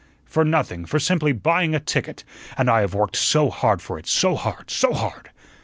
For nothing, for simply buying a ticket; and I have worked so hard for it, so hard, so hard.